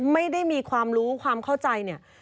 ไม่ได้มีความรู้ความเข้าใจเนี่ย